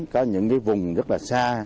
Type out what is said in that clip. có những vùng rất là xa